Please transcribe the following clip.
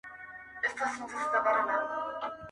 تعبیر دي راته شیخه د ژوند سم ښوولی نه دی.